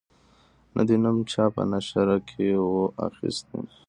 نه دي نوم چا په نشره کی وو اخیستی